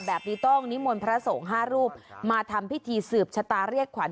แบบนี้ต้องนิมนต์พระสงฆ์๕รูปมาทำพิธีสืบชะตาเรียกขวัญ